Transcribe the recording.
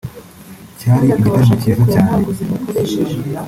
cyari igitaramo cyiza cyane